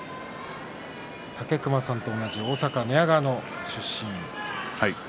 武隈さんと同じ大阪・寝屋川の出身。